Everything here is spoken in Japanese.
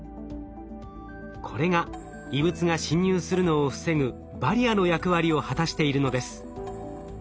これが異物が侵入するのを防ぐバリアの役割を果たしているのです。